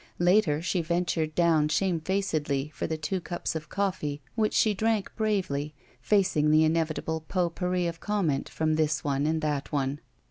Later she ventured down shamefacedly for the two cups of coffee, which she drank bravely, facing the inevitable potpoturi of conmient from this one and that one.